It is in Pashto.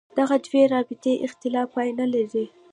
دغو دوو رابطې اختلاف پای نه لري.